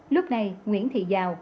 lúc này nguyễn thị giào